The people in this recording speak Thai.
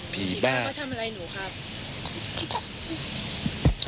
ผีบ้าก็ทำอะไรหนูครับ